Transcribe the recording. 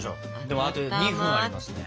でもあと２分ありますね。